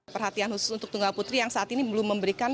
perhatian khusus untuk tunggal putri yang saat ini belum memberikan